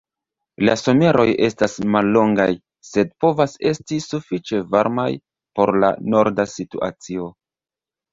La someroj estas mallongaj, sed povas esti sufiĉe varmaj por la norda situacio.